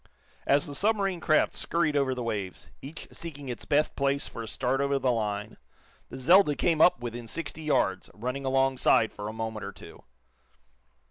As the submarine craft scurried over the waves, each seeking its best place for a start over the line, the "Zelda" came up within sixty yards, running alongside for a moment or two.